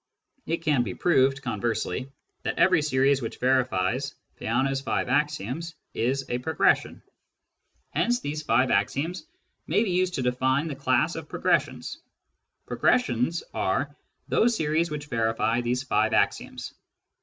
It can be proved, conversely, that every series which verifies Peano's five axioms is a pro gression. Hence these five axioms may be used to define the class of progressions :" progressions " are " those series which verify' these five axioms."